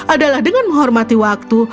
adalah dengan menghormati waktu